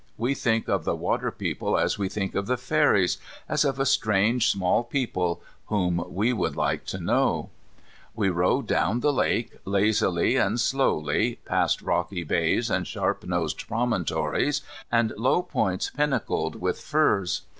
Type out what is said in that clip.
We think of the water folk as we think of the fairies, as of a strange small people, whom we would like to know. We row down the lake, lazily and slowly, past rocky bays and sharp nosed promontories, and low points pinnacled with firs.